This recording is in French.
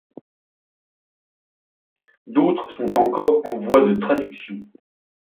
D'autres sont encore en voie de traduction.